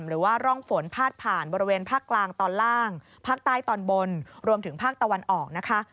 หรือว่าร่องฝนพาดผ่านบริเวณภาคกลางตอนล่างภาคใต้ตอนบนรวมถึงภาคตะวันออกนะคะ